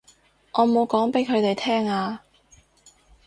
我冇講畀佢哋聽啊